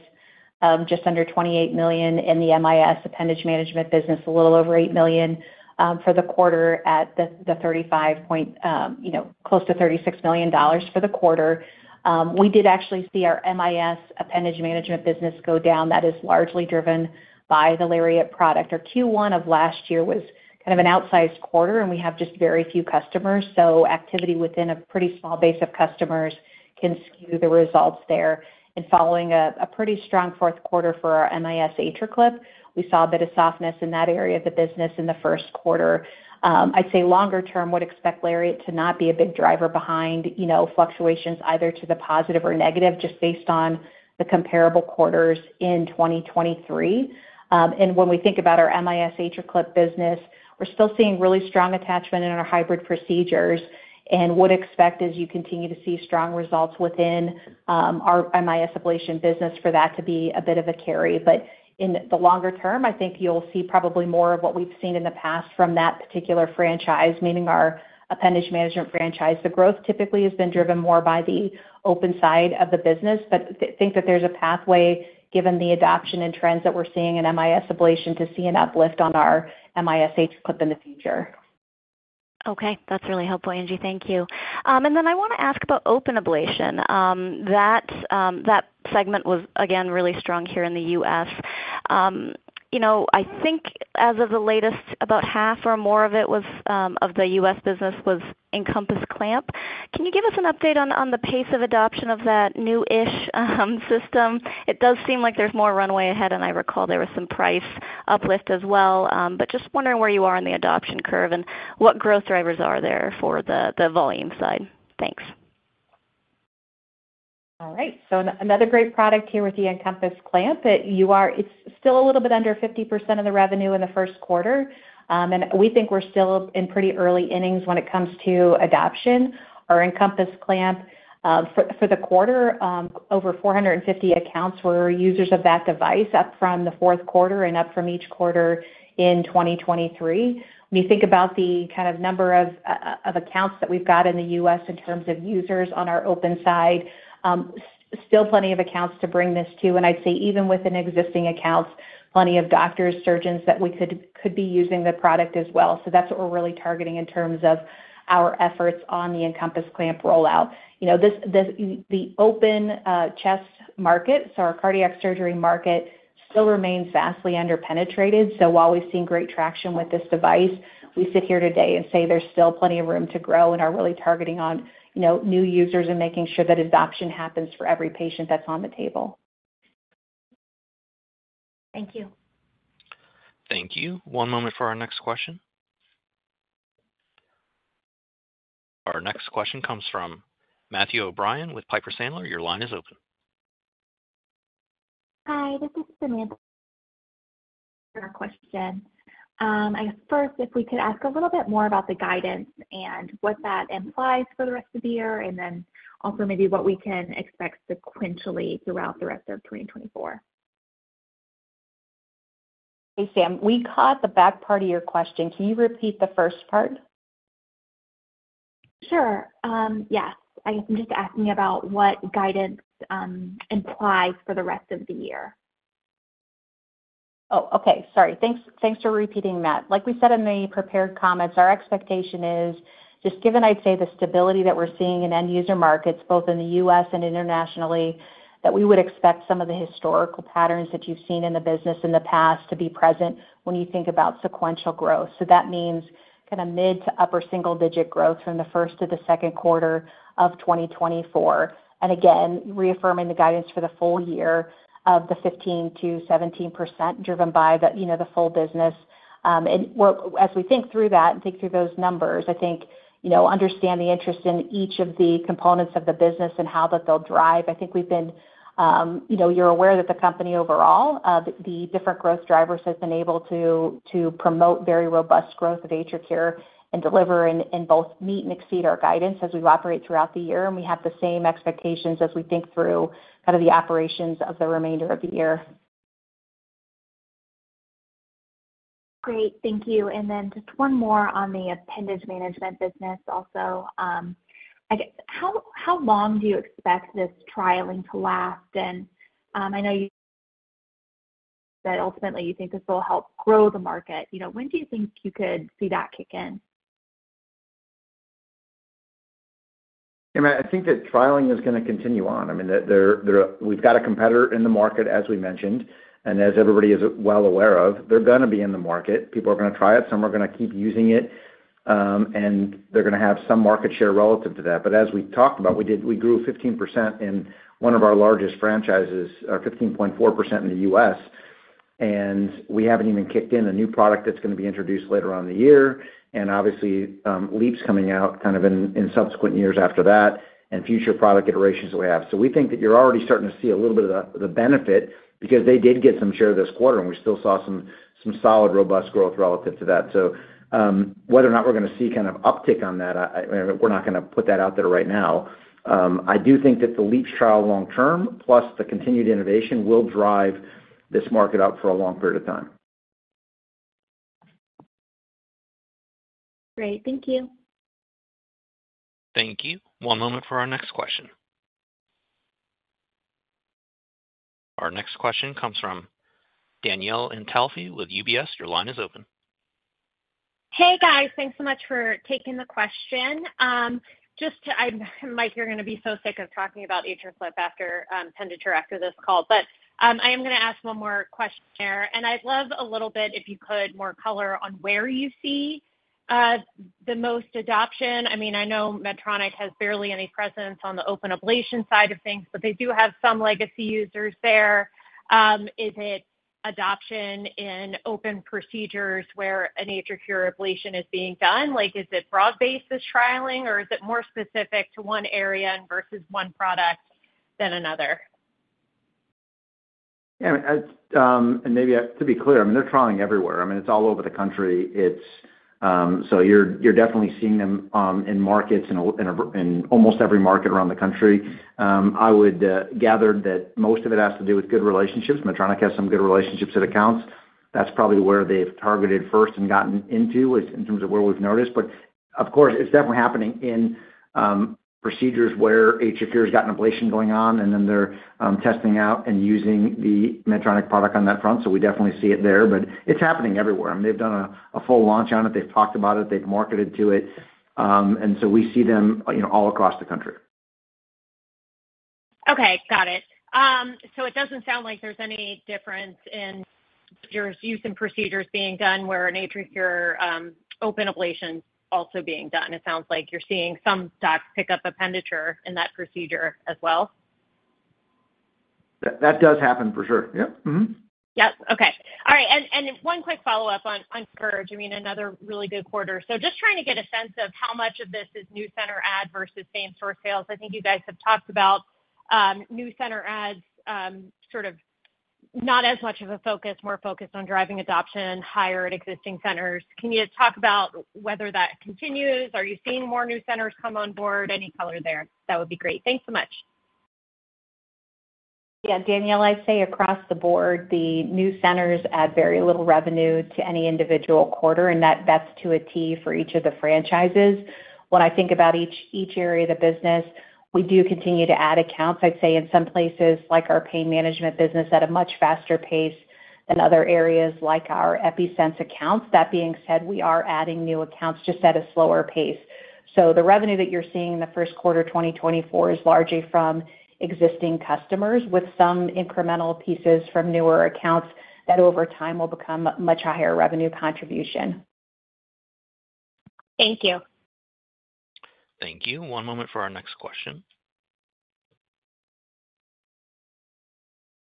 just under $28 million in the MIS appendage management business, a little over $8 million, for the quarter at the 35 point, you know, close to $36 million for the quarter. We did actually see our MIS appendage management business go down. That is largely driven by the LARIAT product, or Q1 of last year was kind of an outsized quarter, and we have just very few customers, so activity within a pretty small base of customers can skew the results there. Following a pretty strong fourth quarter for our MIS AtriClip, we saw a bit of softness in that area of the business in the first quarter. I'd say longer term, would expect LARIAT to not be a big driver behind, you know, fluctuations either to the positive or negative, just based on the comparable quarters in 2023. And when we think about our MIS AtriClip business, we're still seeing really strong attachment in our hybrid procedures and would expect, as you continue to see strong results within our MIS ablation business, for that to be a bit of a carry. But in the longer term, I think you'll see probably more of what we've seen in the past from that particular franchise, meaning our appendage management franchise. The growth typically has been driven more by the open side of the business, but think that there's a pathway, given the adoption and trends that we're seeing in MIS ablation, to see an uplift on our MIS AtriClip in the future. Okay, that's really helpful, Angie. Thank you. And then I want to ask about open ablation. That segment was again, really strong here in the U.S. You know, I think as of the latest, about half or more of it was of the US business was EnCompass clamp. Can you give us an update on, on the pace of adoption of that new-ish system? It does seem like there's more runway ahead, and I recall there was some price uplift as well. But just wondering where you are in the adoption curve and what growth drivers are there for the volume side. Thanks. All right. So another great product here with the EnCompass clamp, it's still a little bit under 50% of the revenue in the first quarter. And we think we're still in pretty early innings when it comes to adoption. Our EnCompass clamp for the quarter, over 450 accounts were users of that device, up from the fourth quarter and up from each quarter in 2023. When you think about the kind of number of accounts that we've got in the US in terms of users on our open side, still plenty of accounts to bring this to. And I'd say even within existing accounts, plenty of doctors, surgeons that we could be using the product as well. So that's what we're really targeting in terms of our efforts on the EnCompass clamp rollout. You know, the open chest market, so our cardiac surgery market, still remains vastly underpenetrated. So while we've seen great traction with this device, we sit here today and say there's still plenty of room to grow and are really targeting on, you know, new users and making sure that adoption happens for every patient that's on the table. Thank you. Thank you. One moment for our next question. Our next question comes from Matthew O'Brien with Piper Sandler. Your line is open. Hi, this is Samantha. Our question. I first, if we could ask a little bit more about the guidance and what that implies for the rest of the year, and then also maybe what we can expect sequentially throughout the rest of 2024. Hey, Sam, we caught the back part of your question. Can you repeat the first part? Sure. Yes. I guess I'm just asking about what guidance implies for the rest of the year. Oh, okay. Sorry. Thanks, thanks for repeating that. Like we said in the prepared comments, our expectation is just given, I'd say, the stability that we're seeing in end user markets, both in the U.S. and internationally, that we would expect some of the historical patterns that you've seen in the business in the past to be present when you think about sequential growth. So that means kind of mid to upper single digit growth from the first to the second quarter of 2024. And again, reaffirming the guidance for the full year of the 15%-17%, driven by the, you know, the full business. And well, as we think through that and think through those numbers, I think, you know, understand the interest in each of the components of the business and how that they'll drive. I think we've been, You know, you're aware that the company overall, the different growth drivers has been able to to promote very robust growth of AtriCure and deliver in both meet and exceed our guidance as we operate throughout the year. And we have the same expectations as we think through kind of the operations of the remainder of the year. Great. Thank you. And then just one more on the appendage management business also. How long do you expect this trialing to last? And, I know that ultimately you think this will help grow the market. You know, when do you think you could see that kick in? Yeah, Matt, I think that trialing is going to continue on. I mean, there, we've got a competitor in the market, as we mentioned, and as everybody is well aware of, they're going to be in the market. People are going to try it, some are going to keep using it, and they're going to have some market share relative to that. But as we talked about, we grew 15% in one of our largest franchises, or 15.4% in the US, and we haven't even kicked in a new product that's going to be introduced later on in the year. And obviously, LeAAPS is coming out kind of in subsequent years after that and future product iterations that we have. So we think that you're already starting to see a little bit of the benefit because they did get some share this quarter, and we still saw some solid, robust growth relative to that. So, whether or not we're going to see kind of uptick on that, I, We're not going to put that out there right now. I do think that the LeAAPS trial long term, plus the continued innovation, will drive this market up for a long period of time. Great. Thank you. Thank you. One moment for our next question. Our next question comes from Danielle Antalffy with UBS. Your line is open. Hey, guys, thanks so much for taking the question. Just to, Mike, you're going to be so sick of talking about AtriClip after appendage after this call. But I am going to ask one more question, and I'd love a little bit, if you could, more color on where you see the most adoption. I mean, I know Medtronic has barely any presence on the open ablation side of things, but they do have some legacy users there. Is it adoption in open procedures where an AtriCure ablation is being done? Like, is it broad-based, this trialing, or is it more specific to one area versus one product than another? Yeah, and maybe I have to be clear. I mean, they're trialing everywhere. I mean, it's all over the country. It's, So you're definitely seeing them in markets, in almost every market around the country. I would gather that most of it has to do with good relationships. Medtronic has some good relationships with accounts. That's probably where they've targeted first and gotten into, in terms of where we've noticed. But of course, it's definitely happening in procedures where AtriCure's got an ablation going on, and then they're testing out and using the Medtronic product on that front. So we definitely see it there, but it's happening everywhere. I mean, they've done a full launch on it. They've talked about it, they've marketed to it, and so we see them, you know, all across the country. Okay, got it. So it doesn't sound like there's any difference in your use and procedures being done where an AtriCure open ablation is also being done. It sounds like you're seeing some docs pick up Penditure in that procedure as well? That does happen for sure. Yep. Mm-hmm. Yep. Okay. All right, and one quick follow-up on CONVERGE. I mean, another really good quarter. So just trying to get a sense of how much of this is new center add versus same-store sales. I think you guys have talked about new center adds, sort of not as much of a focus, more focused on driving adoption higher at existing centers. Can you just talk about whether that continues? Are you seeing more new centers come on board? Any color there, that would be great. Thanks so much. Yeah, Danielle, I'd say across the board, the new centers add very little revenue to any individual quarter, and that vets to a T for each of the franchises. When I think about each, each area of the business, we do continue to add accounts. I'd say in some places, like our pain management business, at a much faster pace than other areas, like our Epi-Sense accounts. That being said, we are adding new accounts, just at a slower pace. So the revenue that you're seeing in the first quarter 2024 is largely from existing customers, with some incremental pieces from newer accounts that over time will become much higher revenue contribution. Thank you. Thank you. One moment for our next question.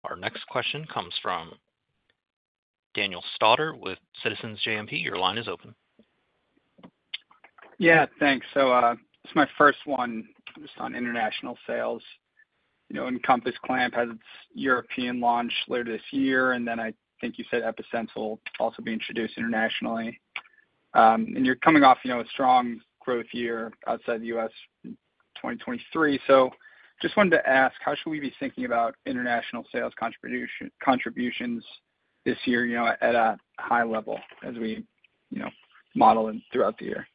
Our next question comes from Daniel Stauder with Citizens JMP. Your line is open. Yeah, thanks. So, this is my first one, just on international sales. You know, EnCompass clamp has its European launch later this year, and then I think you said Epi-Sense will also be introduced internationally. And you're coming off, you know, a strong growth year outside the U.S. in 2023. So just wanted to ask, how should we be thinking about international sales contributions this year, you know, at a high level as we, you know, model them throughout the year?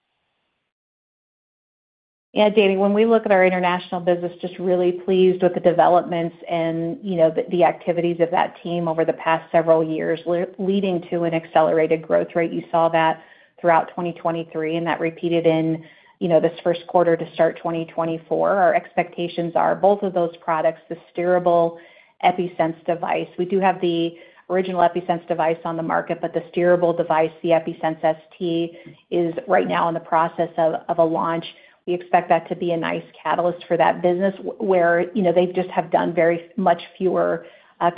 Yeah, Danny, when we look at our international business, just really pleased with the developments and, you know, the activities of that team over the past several years, leading to an accelerated growth rate. You saw that throughout 2023, and that repeated in, you know, this first quarter to start 2024. Our expectations are both of those products, the steerable Epi-Sense device. We do have the original Epi-Sense device on the market, but the steerable device, the Epi-Sense ST, is right now in the process of a launch. We expect that to be a nice catalyst for that business, where, you know, they just have done very much fewer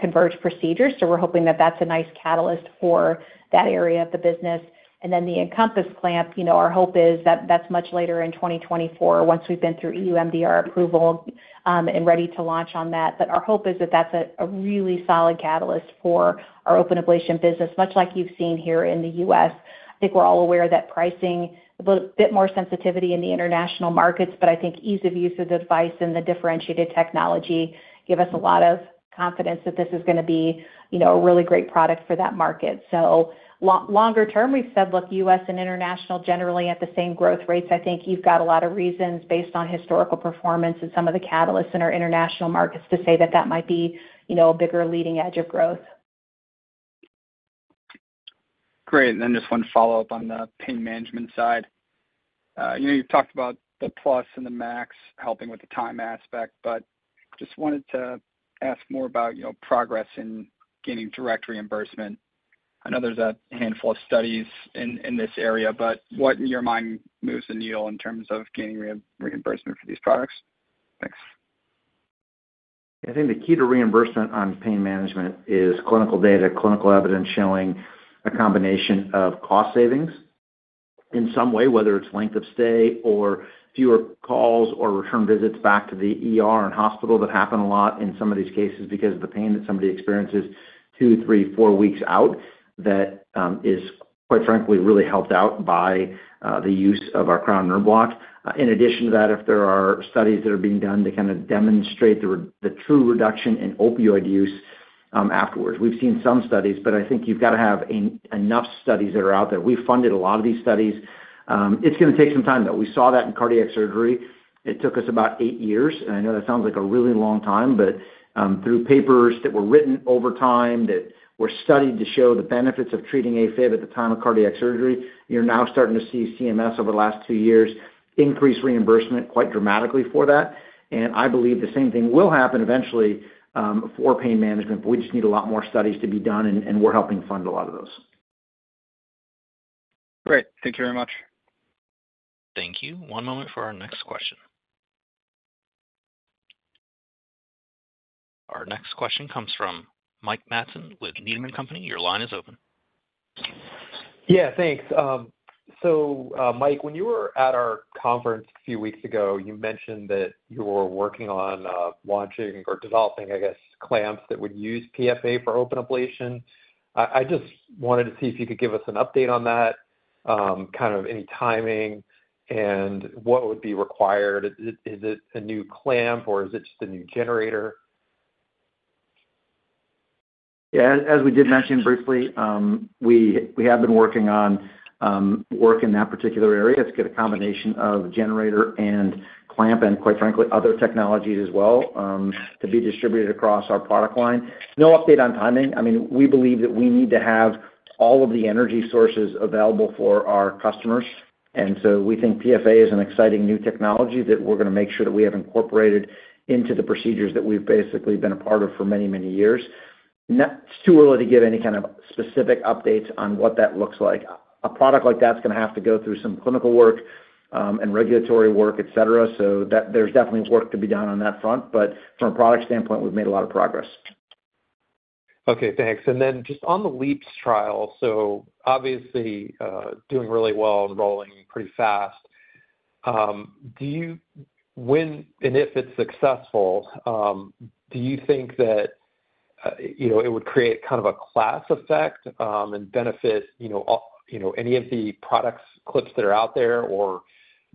converged procedures, so we're hoping that that's a nice catalyst for that area of the business. And then the EnCompass clamp, you know, our hope is that that's much later in 2024, once we've been through EU MDR approval, and ready to launch on that. But our hope is that that's a really solid catalyst for our open ablation business, much like you've seen here in the U.S. I think we're all aware that pricing, a little bit more sensitivity in the international markets, but I think ease of use of the device and the differentiated technology give us a lot of confidence that this is going to be, you know, a really great product for that market. So longer term, we've said, look, U.S. and international, generally at the same growth rates. I think you've got a lot of reasons based on historical performance and some of the catalysts in our international markets to say that that might be, you know, a bigger leading edge of growth. Great. And then just one follow-up on the pain management side. You know, you've talked about the plus and the max helping with the time aspect, but just wanted to ask more about, you know, progress in gaining direct reimbursement. I know there's a handful of studies in this area, but what, in your mind, moves the needle in terms of gaining reimbursement for these products? Thanks. I think the key to reimbursement on pain management is clinical data, clinical evidence showing a combination of cost savings in some way, whether it's length of stay or fewer calls or return visits back to the ER and hospital that happen a lot in some of these cases because of the pain that somebody experiences 2, 3, 4 weeks out, that is, quite frankly, really helped out by the use of our cryo nerve block. In addition to that, if there are studies that are being done to kind of demonstrate the true reduction in opioid use afterwards. We've seen some studies, but I think you've got to have enough studies that are out there. We funded a lot of these studies. It's going to take some time, though. We saw that in cardiac surgery. It took us about eight years, and I know that sounds like a really long time, but through papers that were written over time that were studied to show the benefits of treating AFib at the time of cardiac surgery, you're now starting to see CMS over the last two years increase reimbursement quite dramatically for that. I believe the same thing will happen eventually for pain management, but we just need a lot more studies to be done, and we're helping fund a lot of those. Great. Thank you very much. Thank you. One moment for our next question. Our next question comes from Mike Matson with Needham & Company. Your line is open. Yeah, thanks. So, Mike, when you were at our conference a few weeks ago, you mentioned that you were working on launching or developing, I guess, clamps that would use PFA for open ablation. I just wanted to see if you could give us an update on that, kind of any timing and what would be required. Is it a new clamp or is it just a new generator? Yeah, as we did mention briefly, we have been working on work in that particular area. It's got a combination of generator and clamp, and quite frankly, other technologies as well, to be distributed across our product line. No update on timing. I mean, we believe that we need to have all of the energy sources available for our customers. And so we think PFA is an exciting new technology that we're gonna make sure that we have incorporated into the procedures that we've basically been a part of for many, many years. Not too early to give any kind of specific updates on what that looks like. A product like that's gonna have to go through some clinical work, and regulatory work, et cetera, so that there's definitely work to be done on that front. But from a product standpoint, we've made a lot of progress. Okay, thanks. And then just on the LeAAPS trial, so obviously, doing really well and rolling pretty fast. Do you, when and if it's successful, do you think that, you know, it would create kind of a class effect, and benefit, you know, all, you know, any of the products clips that are out there? Or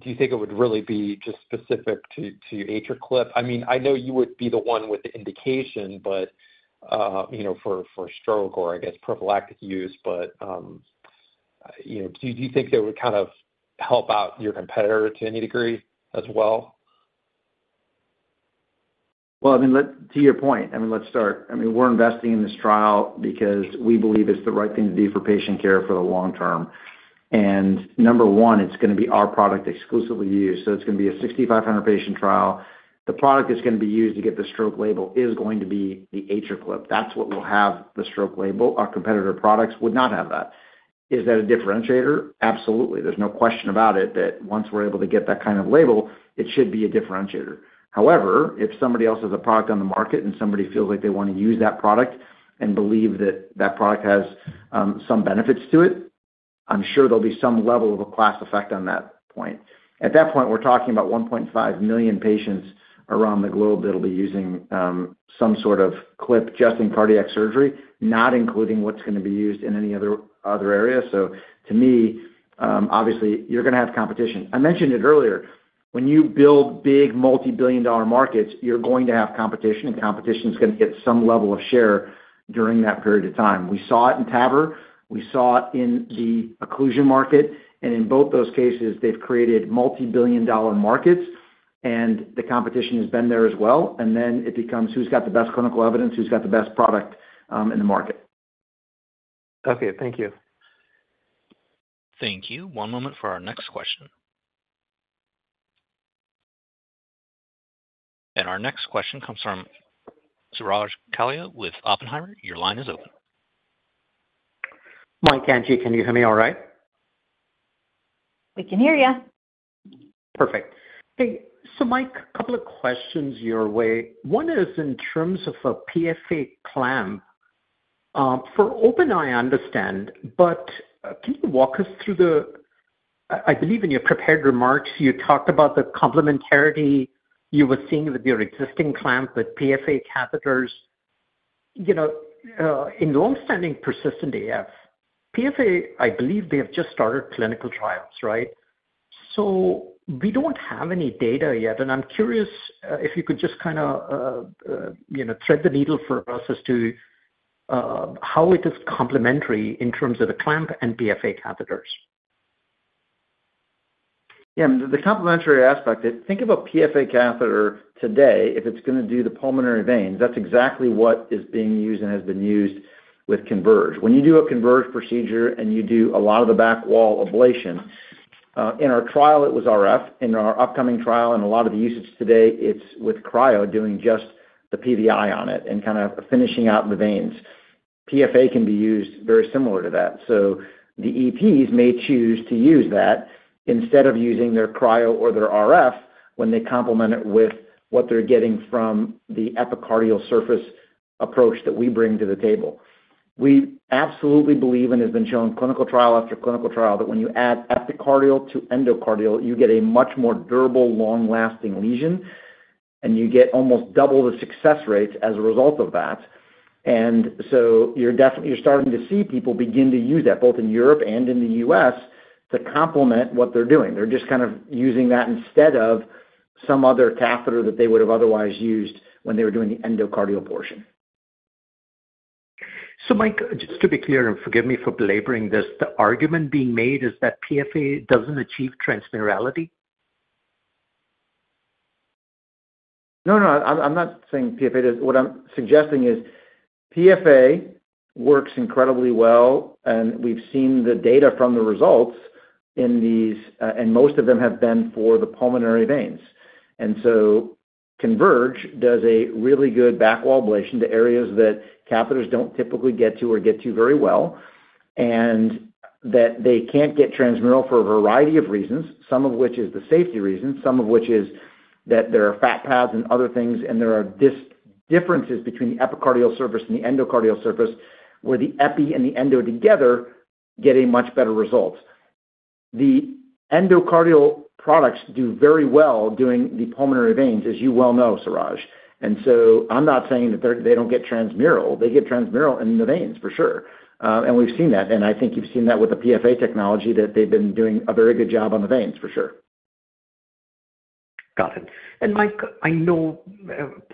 do you think it would really be just specific to, to AtriClip? I mean, I know you would be the one with the indication, but, you know, for, for stroke or I guess, prophylactic use. But, you know, do you think that would kind of help out your competitor to any degree as well? Well, I mean, to your point, I mean, let's start. I mean, we're investing in this trial because we believe it's the right thing to do for patient care for the long term. And number one, it's gonna be our product exclusively used, so it's gonna be a 6,500 patient trial. The product that's gonna be used to get the stroke label is going to be the AtriClip. That's what will have the stroke label. Our competitor products would not have that. Is that a differentiator? Absolutely. There's no question about it that once we're able to get that kind of label, it should be a differentiator. However, if somebody else has a product on the market, and somebody feels like they wanna use that product and believe that that product has some benefits to it, I'm sure there'll be some level of a class effect on that point. At that point, we're talking about 1.5 million patients around the globe that'll be using some sort of clip just in cardiac surgery, not including what's gonna be used in any other, other area. So to me, obviously, you're gonna have competition. I mentioned it earlier, when you build big multibillion-dollar markets, you're going to have competition, and competition is gonna get some level of share during that period of time. We saw it in TAVR, we saw it in the occlusion market, and in both those cases, they've created multibillion-dollar markets, and the competition has been there as well. It becomes who's got the best clinical evidence, who's got the best product in the market. Okay, thank you. Thank you. One moment for our next question. Our next question comes from Suraj Kalia with Oppenheimer. Your line is open. Mike, Angie, can you hear me all right? We can hear you. Perfect. Hey, so Mike, a couple of questions your way. One is in terms of a PFA clamp. For open, I understand, but can you walk us through the I believe in your prepared remarks, you talked about the complementarity you were seeing with your existing clamps with PFA catheters. You know, in long-standing persistent AF, PFA, I believe they have just started clinical trials, right? So we don't have any data yet, and I'm curious if you could just kinda, you know, thread the needle for us as to how it is complementary in terms of the clamp and PFA catheters. Yeah, the complementary aspect is, think of a PFA catheter today. If it's gonna do the pulmonary veins, that's exactly what is being used and has been used with CONVERGE. When you do a CONVERGE procedure and you do a lot of the back wall ablation, in our trial, it was RF. In our upcoming trial and a lot of the usage today, it's with cryo, doing just the PVI on it and kind of finishing out the veins. PFA can be used very similar to that. So the EPs may choose to use that instead of using their cryo or their RF, when they complement it with what they're getting from the epicardial surface approach that we bring to the table. We absolutely believe, and has been shown clinical trial after clinical trial, that when you add epicardial to endocardial, you get a much more durable, long-lasting lesion, and you get almost double the success rates as a result of that. And so you're definitely starting to see people begin to use that, both in Europe and in the U.S., to complement what they're doing. They're just kind of using that instead of some other catheter that they would have otherwise used when they were doing the endocardial portion. So, Mike, just to be clear, and forgive me for belaboring this, the argument being made is that PFA doesn't achieve transmurality? No, no, I'm not saying PFA does. What I'm suggesting is PFA works incredibly well, and we've seen the data from the results in these, and most of them have been for the pulmonary veins. And so CONVERGE does a really good back wall ablation to areas that catheters don't typically get to or get to very well, and that they can't get transmural for a variety of reasons, some of which is the safety reason, some of which is that there are fat pads and other things, and there are differences between the epicardial surface and the endocardial surface, where the epi and the endo together get a much better result. The endocardial products do very well doing the pulmonary veins, as you well know, Suraj. And so I'm not saying that they're they don't get transmural. They get transmural in the veins for sure. We've seen that, and I think you've seen that with the PFA technology, that they've been doing a very good job on the veins, for sure. Got it. And Mike, I know,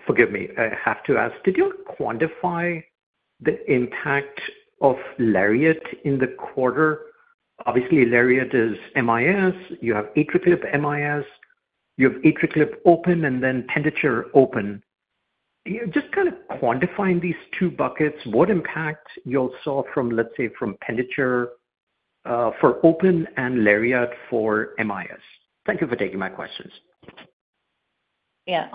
forgive me, I have to ask, did you quantify the impact of LARIAT in the quarter? Obviously, LARIAT is MIS. You have AtriClip MIS, you have AtriClip open, and then Penditure open. Do you just kind of quantifying these two buckets, what impact you saw from, let's say, from Penditure for open and LARIAT for MIS? Thank you for taking my questions. Yeah,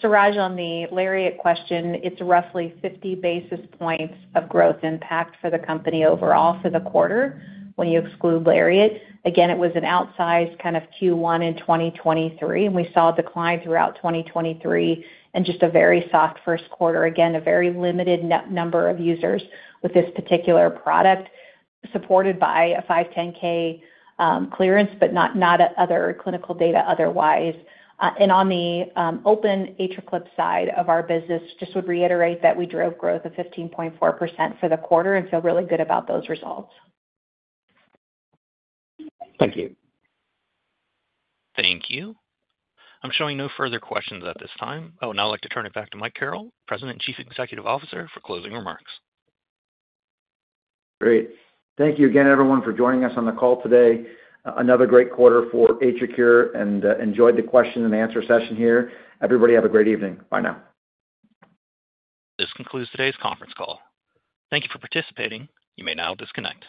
Suraj, on the LARIAT question, it's roughly 50 basis points of growth impact for the company overall for the quarter when you exclude LARIAT. Again, it was an outsized kind of Q1 in 2023, and we saw a decline throughout 2023 and just a very soft first quarter. Again, a very limited number of users with this particular product, supported by a 510(k) clearance, but not, not other clinical data otherwise. And on the open AtriClip side of our business, just would reiterate that we drove growth of 15.4% for the quarter and feel really good about those results. Thank you. Thank you. I'm showing no further questions at this time. I would now like to turn it back to Mike Carrel, President and Chief Executive Officer, for closing remarks. Great. Thank you again, everyone, for joining us on the call today. Another great quarter for AtriCure and enjoyed the question and answer session here. Everybody, have a great evening. Bye now. This concludes today's conference call. Thank you for participating. You may now disconnect.